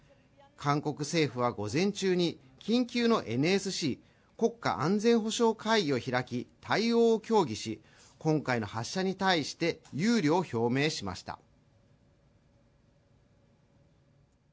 韓国政府は午前中に緊急のＮＳＣ＝国家安全保障会議を開き対応を協議し今回の発射に対して憂慮を表明しました